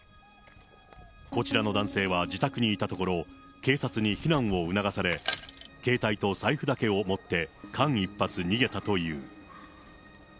こちらの男性は自宅にいたところ、警察に避難を促され、携帯と財布だけを持って間一髪、逃げたという。